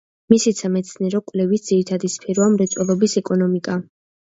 მისი სამეცნიერო კვლევის ძირითადი სფეროა მრეწველობის ეკონომიკა.